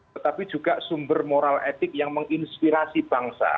tetapi juga sumber moral etik yang menginspirasi bangsa